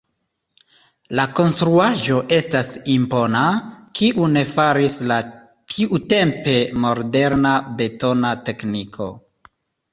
La konstruaĵo estas impona, kiun faris la tiutempe moderna betona tekniko.